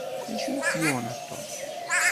D acu i k-yuɣen a Tom?